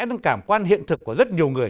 đến cảm quan hiện thực của rất nhiều người